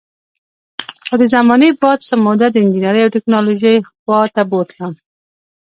خو د زمانې باد څه موده د انجینرۍ او ټیکنالوژۍ خوا ته بوتلم